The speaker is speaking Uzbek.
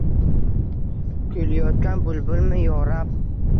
Kuylayotgan bulbulmi yo Rab?